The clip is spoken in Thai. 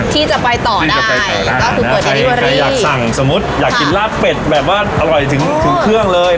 ที่จะไปต่อได้ก็คือสมมุติอยากกินราบเป็ดแบบว่าอร่อยถึงถึงเครื่องเลย